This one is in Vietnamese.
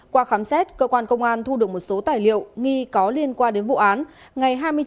qua khám xét cơ quan công an thu được một số tài liệu nghi có liên quan đến vụ án